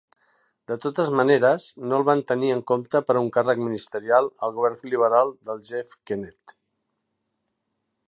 De totes maneres, no el van tenir en compte per a un càrrec ministerial al govern liberal de Jeff Kennett.